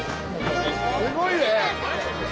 すごいね。